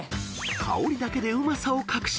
［香りだけでうまさを確信。